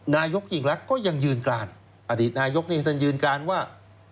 นายกอีกแล้วก็ยังยืนการอดีตนายกนี่ก็ยืนการว่า